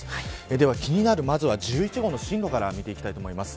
では気になる１１号の進路から見ていきます。